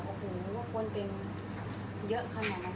อันไหนที่มันไม่จริงแล้วอาจารย์อยากพูด